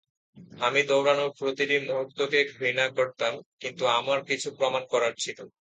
আমি দৌড়ানোর প্রতিটি মুহূর্তকে ঘৃণা করতাম, কিন্তু আমার কিছু প্রমাণ করার ছিল।